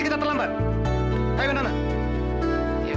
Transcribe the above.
ya jangan membuluh kaki dayo